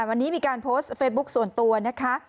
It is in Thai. วันนี้มีการโพสต์เฟซบุ๊คส่วนตัวนะคะ